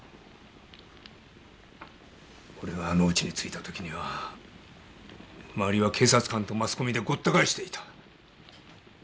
俺があのウチに着いたときには周りは警察官とマスコミでごった返していた。